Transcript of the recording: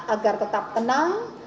agar tetap tenang